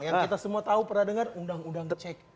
yang kita semua tahu pernah dengar undang undang check in